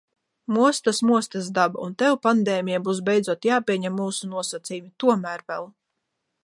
Mostas, mostas daba, un tev, pandēmija, būs beidzot jāpieņem mūsu nosacījumi. Tomēr vēl.